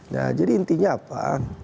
nah jadi intinya apa